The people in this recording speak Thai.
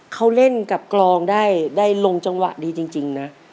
เขาเล่นกับกรองได้ลงจังหวะดีจริงนะ